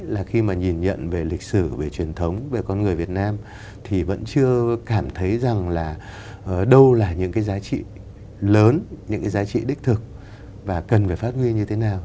là khi mà nhìn nhận về lịch sử về truyền thống về con người việt nam thì vẫn chưa cảm thấy rằng là đâu là những cái giá trị lớn những cái giá trị đích thực và cần phải phát huy như thế nào